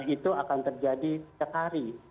itu akan terjadi setiap hari